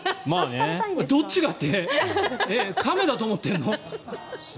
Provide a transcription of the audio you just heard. どっちがって亀だと思ってるの？